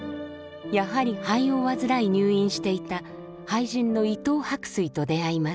やはり肺を患い入院していた俳人の伊藤柏翠と出会います。